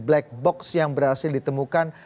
black box yang berhasil ditemukan